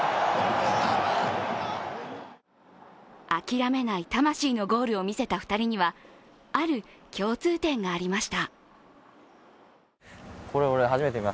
諦めない魂のゴールを見せた２人には、ある共通点がありました。